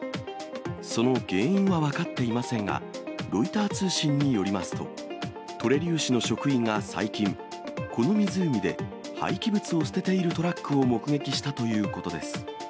その原因は分かっていませんが、ロイター通信によりますと、トレリュー市の職員が最近、この湖で、廃棄物を捨てているトラックを目撃したということです。